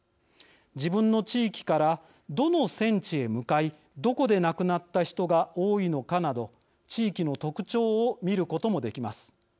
自分の地域からどの戦地へ向かいどこで亡くなった人が多いのかなど地域の特徴を見ることもできます。